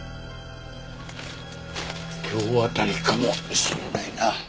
今日あたりかもしれないな。